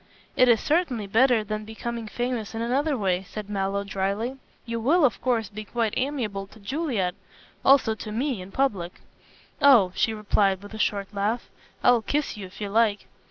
"It is certainly better than becoming famous in another way," said Mallow, dryly, "you will, of course be quite amiable to Juliet. Also to me, in public." "Oh," she replied, with a short laugh, "I'll kiss you if you like."